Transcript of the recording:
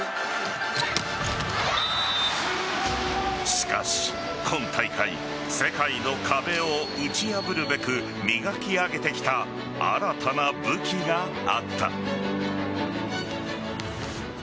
しかし、今大会世界の壁を打ち破るべく磨き上げてきた新たな武器があった。